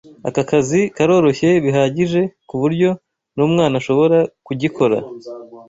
Aka kazi karoroshye bihagije kuburyo numwana ashobora kugikora.